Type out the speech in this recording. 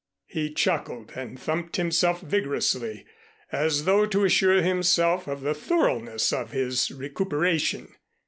He chuckled and thumped himself vigorously, as though to assure himself of the thoroughness of his recuperation.